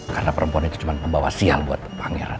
karena perempuan itu cuma pembawa sial buat pangeran